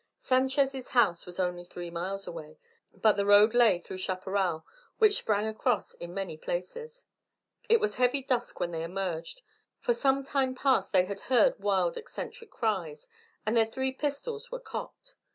Sanchez' house was only three miles away, but the road lay through chaparral which sprang across in many places. It was heavy dusk when they emerged. For some time past they had heard wild eccentric cries, and their three pistols were cocked.